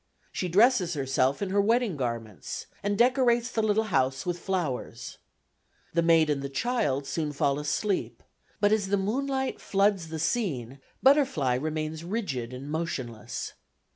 She dresses herself in her wedding garments, and decorates the little house with flowers. The maid and the child soon fall asleep, but as the moonlight floods the scene Butterfly remains rigid and motionless.